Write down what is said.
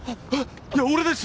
いや俺です！